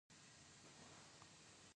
دوی په یوه عقلي وضعیت کې قرار لري.